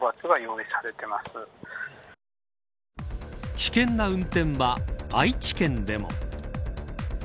危険な運転は愛知県でも。